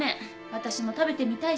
私も食べてみたいし。